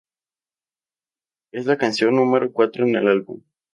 Es la canción número cuatro en el álbum.